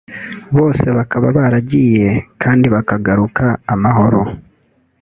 Bose bakaba baragiye kandi bakagaruka amahoro